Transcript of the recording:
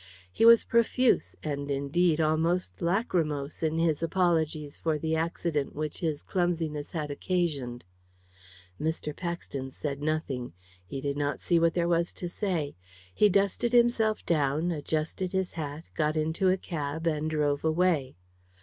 He was profuse, and indeed almost lachrymose, in his apologies for the accident which his clumsiness had occasioned. Mr. Paxton said nothing. He did not see what there was to say. He dusted himself down, adjusted his hat, got into a cab and drove away.